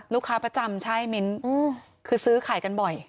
ลูกค้าประจำใช่มิ้นคือซื้อขายกันบ่อย